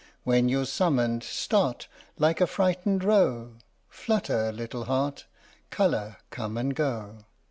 When you're summoned, start Like a frightened roe, Flutter, little heart, Colour come and go